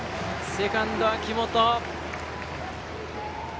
セカンド、秋元。